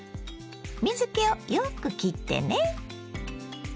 水けをよくきってね。